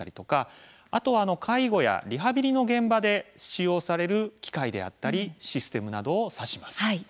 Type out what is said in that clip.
あるいは介護やリハビリなどの現場で使われる機械やシステムなどを指します。